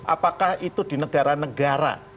apakah itu di negara negara